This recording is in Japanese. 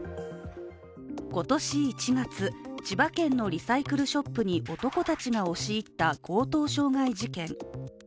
今年１月、千葉県のリサイクルショップに男たちが押し入った強盗傷害事件。